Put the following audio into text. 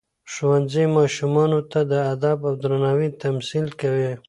ښوونځی ماشومانو ته د ادب او درناوي تمثیل کوي.